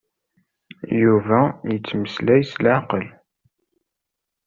Yuba yettmeslay s leɛqel.